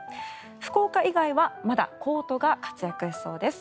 福岡以外はまだコートが活躍しそうです。